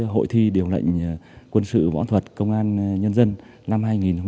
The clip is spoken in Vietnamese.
hội thi điều lệnh quân sự võ thuật công an nhân dân năm hai nghìn một mươi chín